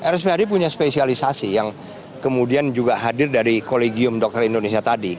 rspad punya spesialisasi yang kemudian juga hadir dari kolegium dokter indonesia tadi